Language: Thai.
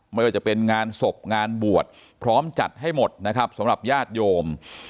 ไม่ว่าจะเป็นงานศพงานบวชพร้อมจัดให้หมดนะครับสำหรับญาติโยม